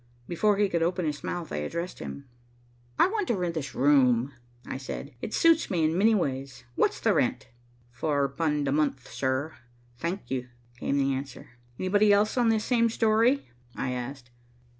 Before he could open his mouth, I addressed him. "I want to rent this room," I said. "It suits me in many ways. What's the rent?" "Four pund a month, sir, thank you," came the answer. "Anybody else on this same story?" I asked.